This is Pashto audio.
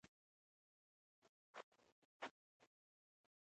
الوتکه د نوي ژوند پیل ښيي.